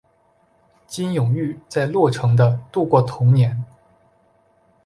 金永玉在洛城的度过童年。